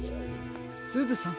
すずさん